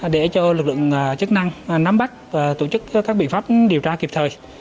để cho lực lượng chức năng nắm bắt và tổ chức các biện pháp điều tra kịp thời